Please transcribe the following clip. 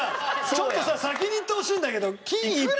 ちょっとさ先に言ってほしいんだけど。